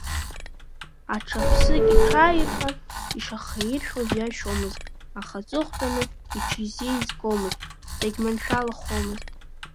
Аҽа ԥсык иҽааирххар ишахаиршәуаз ҩашьомызт, аха аҵыхәтәаны иҽизеизгомызт, дагьманшәалахомызт.